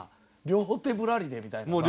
両手ぶらりでみたいなさ。